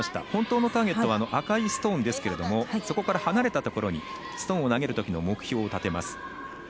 本当のターゲットは赤いストーンですがそこから離れたところにストーンを投げるときの目標を立てます。